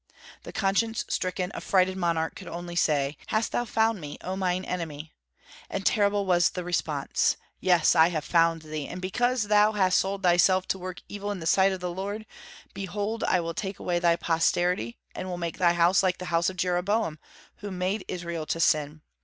The conscience stricken, affrighted monarch could only say, "Hast thou found me, oh mine enemy!" And terrible was the response: "Yes, I have found thee! and because thou hast sold thyself to work evil in the sight of the Lord, behold, I will take away thy posterity, and will make thy house like the house of Jeroboam, who made Israel to sin.